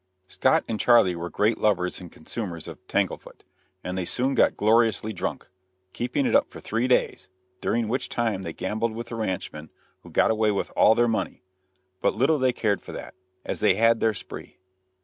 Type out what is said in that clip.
Scott and Charley were great lovers and consumers of "tanglefoot," and they soon got gloriously drunk, keeping it up for three days, during which time they gambled with the ranchmen, who got away with all their money; but little they cared for that, as they had their spree.